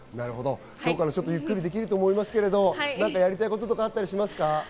今日から少しゆっくりできると思いますけど、やりたいこととかあったりしますか？